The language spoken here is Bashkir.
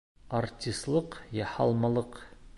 Артислыҡ, яһалмалыҡ.